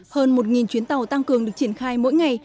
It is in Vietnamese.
hơn một chuyến tàu tăng cường được triển khai mỗi ngày